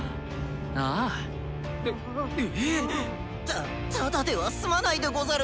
たただでは済まないでござる。